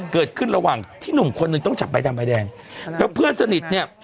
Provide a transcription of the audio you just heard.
เกิดขึ้นระหว่างที่หนุ่มคนหนึ่งต้องจับใบดำใบแดงแล้วเพื่อนสนิทเนี่ย